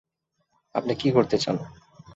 আপনি কী করতে চান?